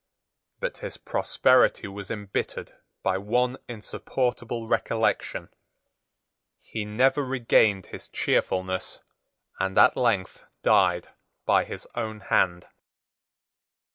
But his prosperity was embittered by one insupportable recollection. He never regained his cheerfulness, and at length died by his own hand.